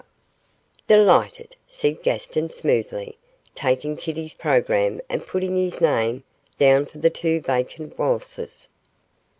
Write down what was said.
'Delighted,' said Gaston, smoothly, taking Kitty's programme and putting his name down for the two vacant waltzes.